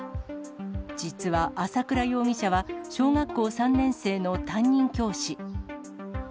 実は朝倉容疑者は、小学校３年生の担任教師。